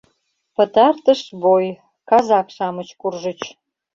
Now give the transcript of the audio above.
Пытартыш бой — казак-шамыч куржыч.